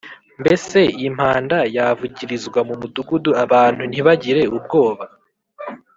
Mbese impanda yavugirizwa mu mudugudu abantu ntibagire ubwoba?